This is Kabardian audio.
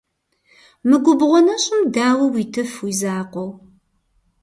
Мы губгъуэ нэщӀым дауэ уитыф уи закъуэу?